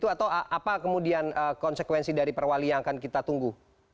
atau apa kemudian konsekuensi dari perwali yang akan kita tunggu